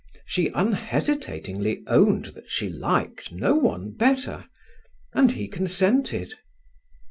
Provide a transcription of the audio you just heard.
She unhesitatingly owned that she liked no one better, and he consented.